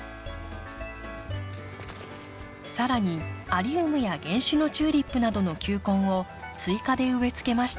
更にアリウムや原種のチューリップなどの球根を追加で植えつけました。